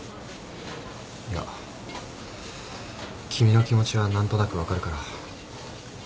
いや君の気持ちは何となく分かるから。